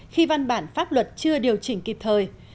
khi văn bản pháp luật chưa điều chỉnh kịp thời